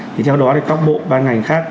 thì theo đó các bộ và ngành khác